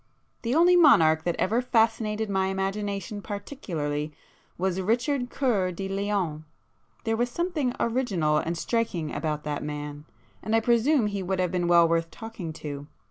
The only monarch that ever fascinated my imagination particularly was Richard Cœur de Lion; there was something original and striking about that man, and I presume he would have been well worth talking to.